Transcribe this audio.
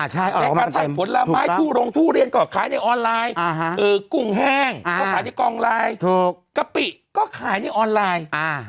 ใช่อ๋อมันเป็นเต็มและการถ่ายผลละไม้ทู่โรงทู่เรียนก็ขายในออนไลน์เออกุ้งแห้งก็ขายในกองไลน์กะปิก็ขายในออนไลน์